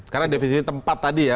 karena definisi tempat tadi ya